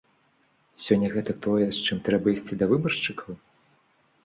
Сёння гэта тое, з чым трэба ісці да выбаршчыкаў?